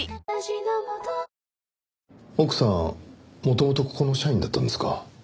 元々ここの社員だったんですか。